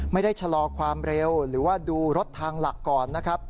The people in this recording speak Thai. ไม่ได้ชะลอความเร็วหรือว่าดูรถทางหลักก่อนนะครับ